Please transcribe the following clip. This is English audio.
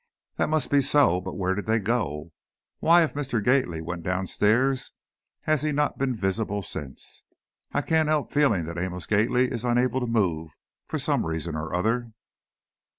"That must be so, but where did they go? Why, if Mr. Gately went downstairs, has he not been visible since? I can't help feeling that Amos Gately is unable to move, for some reason or other.